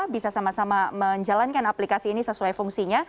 bisa sama sama menjalankan aplikasi ini sesuai fungsinya